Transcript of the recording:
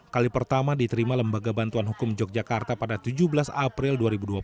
kali pertama diterima lembaga bantuan hukum yogyakarta pada tujuh belas april dua ribu dua puluh